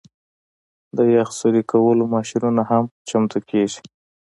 د یخ سوري کولو ماشینونه هم چمتو کیږي